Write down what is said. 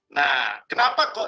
nah kenapa kok